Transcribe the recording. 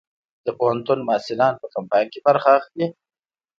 د پوهنتون محصلین په کمپاین کې برخه اخلي؟